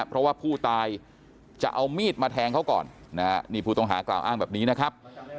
เพราะว่าผู้ตายจะเอามีดมาแทงเขาก่อนนะฮะนี่ผู้ต้องหากล่าวอ้างแบบนี้นะครับ